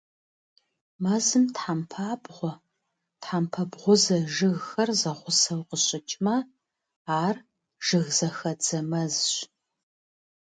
Мэзым тхьэмпабгъуэ, тхьэмпэ бгъузэ жыгхэр зэгъусэу къыщыкӀмэ, ар жыгзэхэдзэ мэзщ.